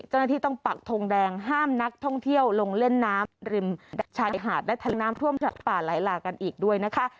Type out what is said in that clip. เจ้าหน้าที่ต้องปักทงแดงห้ามนักท่องเที่ยวลงเล่นน้ำริมชายหาดและทางน้ำท่วมป่าไหลหลากกันอีกด้วยนะคะ